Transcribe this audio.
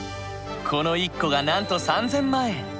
この１個がなんと３，０００万円。